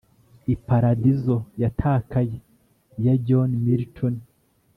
"iparadizo yatakaye" ya john milton